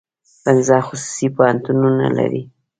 پنځه خصوصي پوهنتونونه لري.